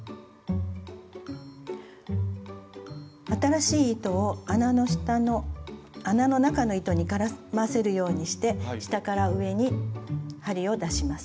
新しい糸を穴の中の糸に絡ませるようにして下から上に針を出します。